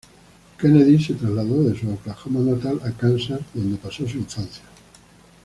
Kennedy se trasladó de su Oklahoma natal a Kansas, donde pasó su infancia.